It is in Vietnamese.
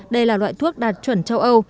đây là loại thuốc đạt chuẩn châu âu